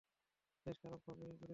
বেশ খারাপভাবেই জুড়ে দেওয়া।